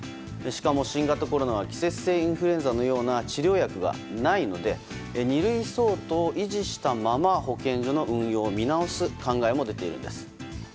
しかも、新型コロナは季節性インフルエンザのような治療薬がないので二類相当を維持したまま保健所の運用を見直す考えも出ているんです。